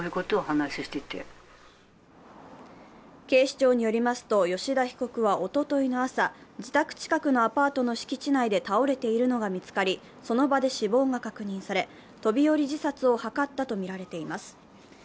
警視庁によりますと吉田被告はおとといの朝、自宅近くのアパートの敷地内で倒れているのが見つかりその場で死亡が確認され、飛び降り自殺を図ったとみられています。